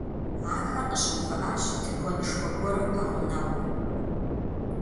Ахэр къыщыувыӏащ тыкуэнышхуэ гуэрым пэгъунэгъуу.